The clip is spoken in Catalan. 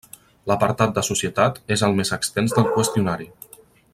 L'apartat de societat és el més extens del qüestionari.